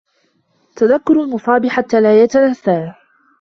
تَذَكُّرُ الْمُصَابِ حَتَّى لَا يَتَنَاسَاهُ